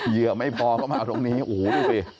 เหยื่อไม่พอเข้ามาตรงนี้โอ้โหดูสิ